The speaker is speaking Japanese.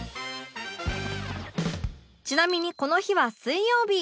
ちなみにこの日は水曜日